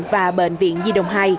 và bệnh viện di đồng hai